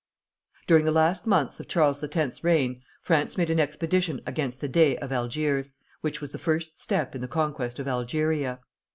During the last months of Charles X.'s reign France made an expedition against the Dey of Algiers, which was the first step in the conquest of Algeria.